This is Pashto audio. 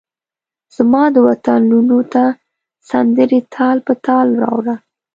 زمادوطن لوڼوته سندرې تال په تال راوړه